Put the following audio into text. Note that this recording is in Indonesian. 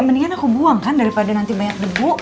mendingan aku buang kan daripada nanti banyak debu